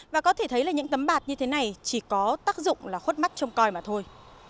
và có thể thấy là những tấm bạt như thế này chỉ có tác dụng là khuất mắt trông coi mà thôi